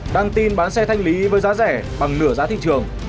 đăng tin bán xe thanh lý với giá rẻ bằng nửa giá thị trường